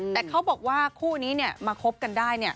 แต่เขาบอกว่าคู่นี้มาคบกันได้